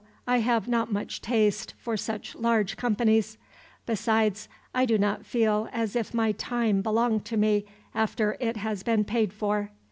I have not much taste for such large companies. Besides, I do not feel as if my time belonged to me after it has been paid for.